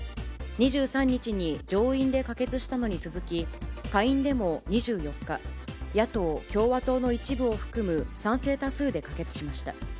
２３日に上院で可決したのに続き、下院でも２４日、野党・共和党の一部を含む賛成多数で可決しました。